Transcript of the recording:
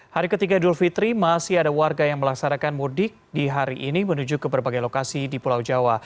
hari ketiga idul fitri masih ada warga yang melaksanakan mudik di hari ini menuju ke berbagai lokasi di pulau jawa